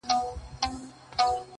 وروڼه له وروڼو څخه بیریږي!.